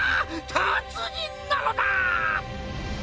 達人なのだ！